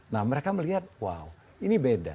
nah mereka melihat wow ini beda